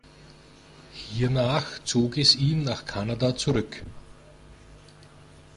Hiernach zog es ihn nach Kanada zurück.